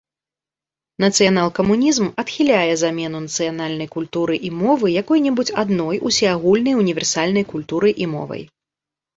Нацыянал-камунізм адхіляе замену нацыянальнай культуры і мовы якой-небудзь адной усеагульнай універсальнай культурай і мовай.